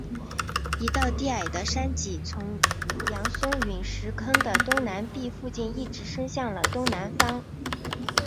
一道低矮的山脊从扬松陨石坑的东南壁附近一直伸向了东南方。